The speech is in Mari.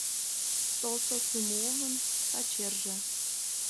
Толстосумовын пачерже.